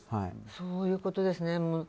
そういうことですね。